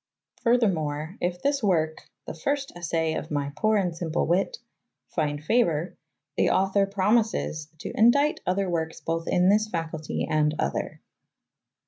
Furthermore, if this work, "the fyrste assay of my pore and symple wyt,"" find favor, the author promises "to endight other werkes both in this facultye and other."